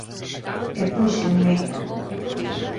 E púxenme.